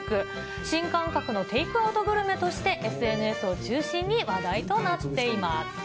新感覚のテイクアウトグルメとして、ＳＮＳを中心に話題となっています。